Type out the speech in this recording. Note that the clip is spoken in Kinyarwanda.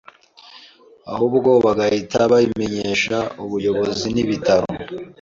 ahubwo bagahita babimenyesha ubuyobozi n’ibitaro